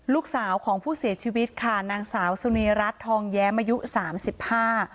ลูกสาวของผู้เสียชีวิตค่ะนางสาวสุนีรัฐทองแย้มอายุสามสิบห้า